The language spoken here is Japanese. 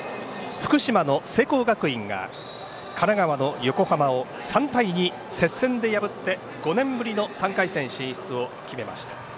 福島の聖光学院が神奈川の横浜を３対２、接戦で破って５年ぶりの３回戦進出を決めました。